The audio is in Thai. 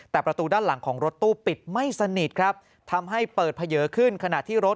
แต่ประตูด้านหลังของรถตู้ปิดไม่สนิทครับทำให้เปิดเผยขึ้นขณะที่รถ